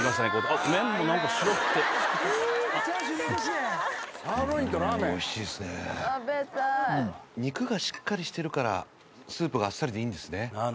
あっ麺も何か白っぽい肉がしっかりしてるからスープがあっさりでいいんですねああ